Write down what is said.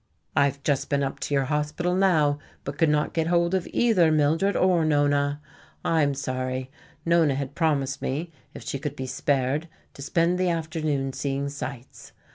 "I have just been up to your hospital now, but could not get hold of either Mildred or Nona. I am sorry. Nona had promised me, if she could be spared, to spend the afternoon seeing sights.